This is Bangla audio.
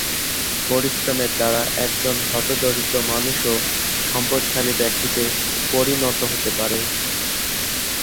পরিশ্রমের দ্বারা একজন হতদরিদ্র মানুষও সম্পদশালী ব্যক্তিতে পরিণত হতে পারে।